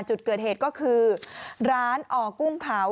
จุดเกิดเหตุก็คือร้านออกุ้งเผา